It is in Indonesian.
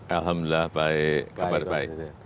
alhamdulillah baik kabar baik